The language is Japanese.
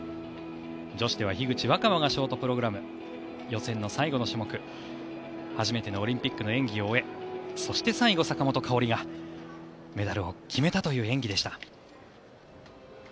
女子では樋口新葉がショートプログラム予選の最後の種目初めてのオリンピックの演技を終えそして、最後、坂本花織がメダルを決めたという演技でした。